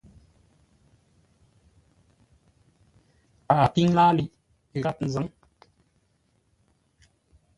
Paghʼə píŋ láaliʼ gháp nzâŋ.